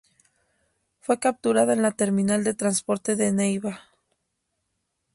Fue capturada en la terminal de transporte de Neiva.